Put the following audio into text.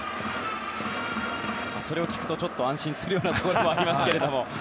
それを聞くと安心するようなところもありますけど。